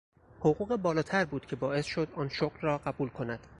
حقوق بالاتر بود که باعث شد آن شغل را قبول کند.